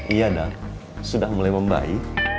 iya dah sudah mulai membaik